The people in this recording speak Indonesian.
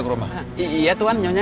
karena ini juga bukan ada ing